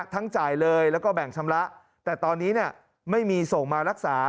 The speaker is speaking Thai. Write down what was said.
จ่ายเลยแล้วก็แบ่งชำระแต่ตอนนี้ไม่มีส่งมารักษา